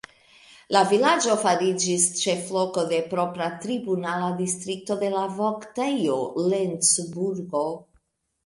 La vilaĝo fariĝis ĉefloko de propra tribunala distrikto de la voktejo Lencburgo.